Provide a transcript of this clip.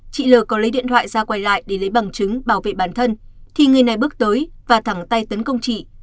chị l có lấy điện thoại ra quay lại để lấy bằng chứng bảo vệ bản thân thì người này bước tới và thẳng tay tấn công chị